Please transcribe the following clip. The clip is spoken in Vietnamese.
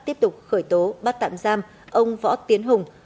tiếp tục khởi tố bắt tạm giam ông võ tiến hùng